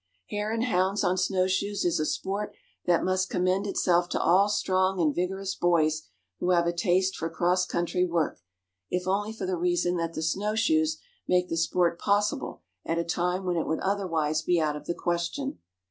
Hare and hounds on snow shoes is a sport that must commend itself to all strong and vigorous boys who have a taste for cross country work, if only for the reason that the snow shoes make the sport possible at a time when it would otherwise be out of the question.